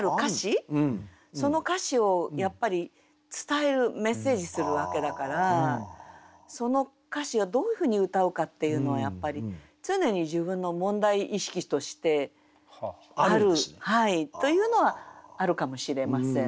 その歌詞をやっぱり伝えるメッセージするわけだからその歌詞をどういうふうに歌おうかっていうのはやっぱり常に自分の問題意識としてあるというのはあるかもしれません。